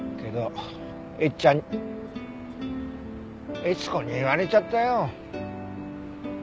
けどえっちゃん恵津子に言われちゃったよ。